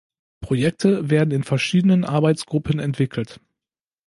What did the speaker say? Projekte werden in verschiedenen Arbeitsgruppen entwickelt.